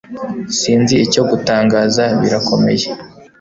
Sinzi icyo gutangaza birakomeye